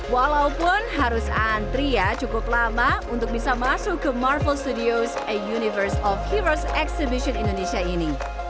walaupun harus antri ya cukup lama untuk bisa masuk ke marvel studios a universe of heroes exhibition indonesia ini